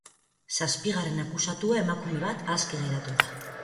Zazpigarren akusatua, emakume bat, aske geratu da.